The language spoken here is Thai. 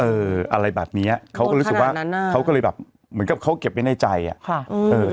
เอออะไรแบบนี้เขาก็รู้สึกว่าเขารู้สึกว่าเขาเขียบไว้ในใจอะต้น่ะ